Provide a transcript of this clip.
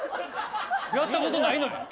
やったことないのに？